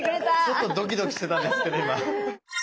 ちょっとドキドキしてたんですけど今。